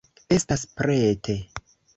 Estas prete.